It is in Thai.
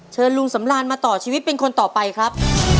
เชิญลุงสำรานมาต่อชีวิตเป็นคนต่อไปครับ